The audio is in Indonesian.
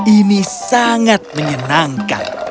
ini sangat menyenangkan